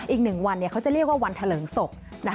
อีกหนึ่งวันเขาจะเรียกว่าวันทะเลิงศพ